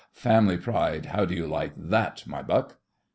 Family Pride, how do you like that, my buck?